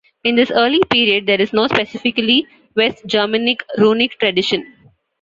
In this early period, there is no specifically West Germanic runic tradition.